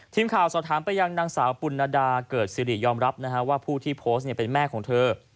ทีมข่าวสอบถามไปยังนางสาวปุณดาเกิดสิริยอมรับว่าผู้ที่โพสต์เป็นแม่ของเธอ